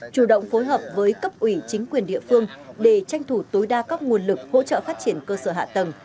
chủ động phối hợp với cấp ủy chính quyền địa phương để tranh thủ tối đa các nguồn lực hỗ trợ phát triển cơ sở hạ tầng